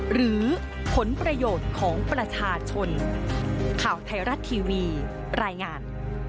หรือผลประโยชน์ของประชาชนข่าวไทยรัฐทีวีรายงาน